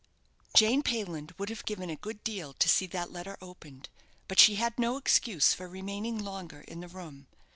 Jane Payland would have given a good deal to see that letter opened; but she had no excuse for remaining longer in the room.